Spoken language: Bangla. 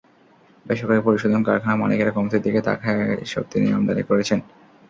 বেসরকারি পরিশোধন কারখানা মালিকেরা কমতির দিকে থাকা এসব চিনি আমদানি করেছেন।